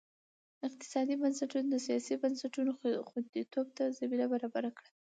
اقتصادي بنسټونو د سیاسي بنسټونو خوندیتوب ته زمینه برابره کړه.